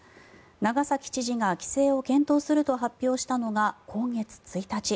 長崎知事が規制を検討すると発表したのが今月１日。